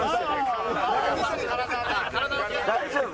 大丈夫？